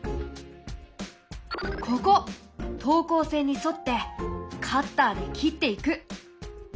ここ等高線に沿ってカッターで切っていく！